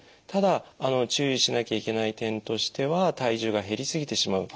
ただ注意しなきゃいけない点としては体重が減り過ぎてしまうと。